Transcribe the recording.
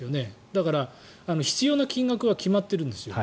だから必要な金額は決まってるんです。